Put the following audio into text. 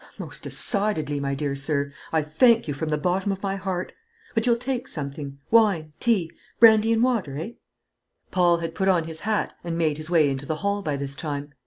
"Most decidedly, my dear sir; I thank you from the bottom of my heart. But you'll take something wine, tea, brandy and water eh?" Paul had put on his hat and made his way into the hall by this time.